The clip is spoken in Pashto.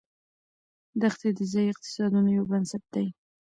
دښتې د ځایي اقتصادونو یو بنسټ دی.